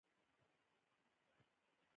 ګازونه د تودوخې په زیاتېدو پراخېږي.